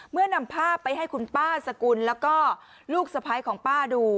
นำภาพไปให้คุณป้าสกุลแล้วก็ลูกสะพ้ายของป้าดู